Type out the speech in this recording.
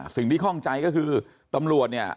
สิ่งที่ข้องใจก็คือตำรวจเนี่ย